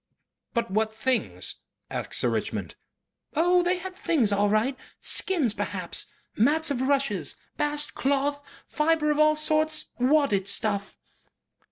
"But what things?" asked Sir Richmond. "Oh! they had things all right. Skins perhaps. Mats of rushes. Bast cloth. Fibre of all sorts. Wadded stuff."